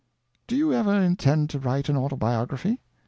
"Do you ever intend to write an autobiography?"